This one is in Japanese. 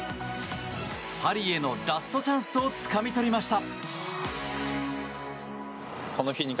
パリへのラストチャンスをつかみ取りました。